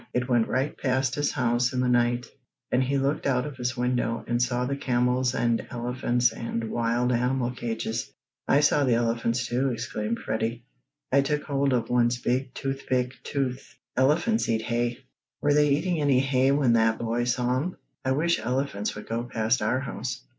It went right past his house in the night, and he looked out of his window and saw the camels and elephants and wild animal cages." "I saw the elephants, too!" exclaimed Freddie. "I took hold of one's big toothpick tooth. Elephants eat hay. Were they eating any hay when that boy saw 'em? I wish elephants would go past our house."